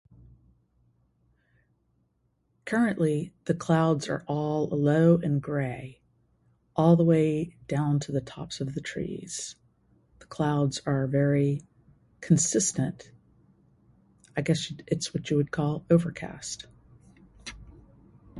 Currently, the clouds are all low and grey all the way down to the tops of the trees. The clouds are very consistent; I guess it is what we call overcast.